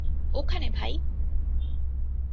ওখানে, ভাই।